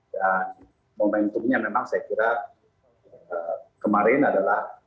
dan momentumnya memang saya kira kemarin adalah